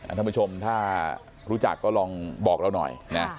ท่านผู้ชมถ้ารู้จักก็ลองบอกเราหน่อยนะ